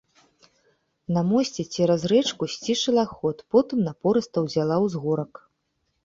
На мосце цераз рэчку сцішыла ход, потым напорыста ўзяла ўзгорак.